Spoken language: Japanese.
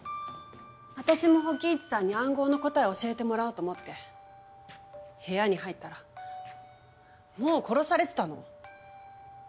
私も火鬼壱さんに暗号の答え教えてもらおうと思って部屋に入ったらもう殺されてたの。